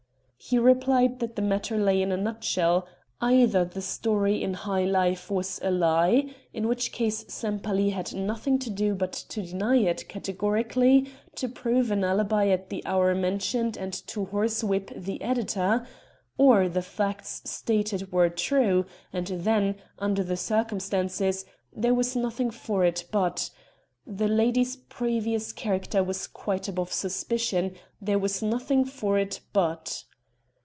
He replied that the matter lay in a nutshell; either the story in 'High Life' was a lie, in which case Sempaly had nothing to do but to deny it categorically, to prove an alibi at the hour mentioned and to horsewhip the editor or, the facts stated were true, and then under the circumstances there was nothing for it but ... "the lady's previous character was quite above suspicion there was nothing for it but...."